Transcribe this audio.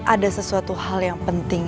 ada sesuatu hal yang penting